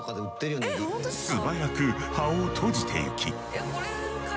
素早く葉を閉じてゆき。